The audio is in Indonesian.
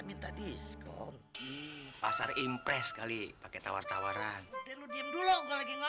minta diskon pasar impres kali pakai tawar tawaran dulu gue lagi ngomong